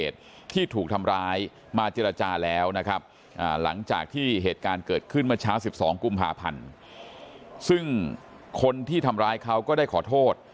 สิบสองกุมภาพันธ์ซึ่งคนที่ทำร้ายเขาก็ได้ขอโทษ